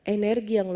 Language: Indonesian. energi yang kecil